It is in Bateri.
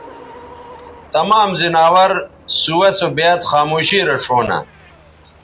تمام زناور سُوہ سو بیاد خاموشی رے ݜؤں نہ